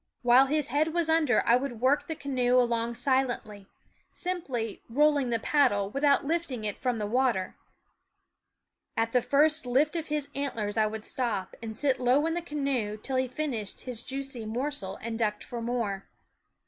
While , his head was under I would work the canoe along silently, simply " rolling the paddle " without lifting it from the water. At the first lift of his antlers I would stop and sit low in the canoe till he finished his juicy .mor sel and ducked for more.